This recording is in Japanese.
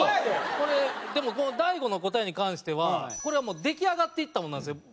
これでもこの大悟の答えに関してはこれは出来上がっていったものなんですよ。